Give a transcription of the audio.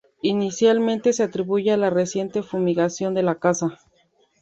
Inicialmente se atribuye a la reciente fumigación de la casa.